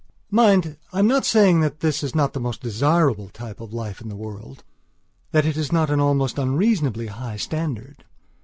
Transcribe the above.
Mind, I am not saying that this is not the most desirable type of life in the world; that it is not an almost unreasonably high standard.